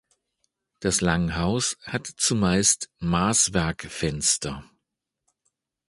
Das Langhaus hat zumeist Maßwerkfenster.